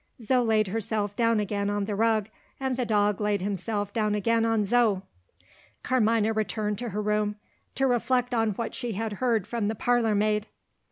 Zo laid herself down again on the rug; and the dog laid himself down again on Zo. Carmina returned to her room to reflect on what she had heard from the parlour maid.